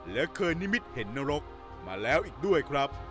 และเคยนิมิตเห็นนรกมาแล้วอีกด้วยครับ